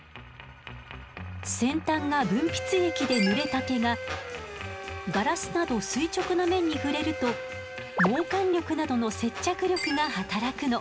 先端が分泌液でぬれた毛がガラスなど垂直な面に触れると毛管力などの接着力が働くの。